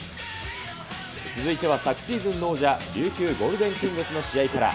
続いては昨シーズンの王者、琉球ゴールデンキングスの試合から。